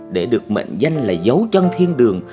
để được mệnh danh là dấu chân thiên đường